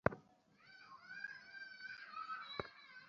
তারপর ভাবিলাম, হয়তো বনে গেলে সুবিধা হইবে, তারপর কাশীর কথা মনে হইল।